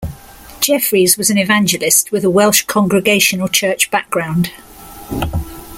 Jeffreys was an evangelist with a Welsh Congregational church background.